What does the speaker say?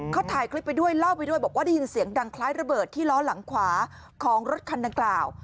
เขาถ่ายคลิปไปด้วยเล่าไปด้วยบอกว่าได้ยินเสียงดังคล้ายระเบิดที่ล้อหลังขวาของรถคันดังกล่าว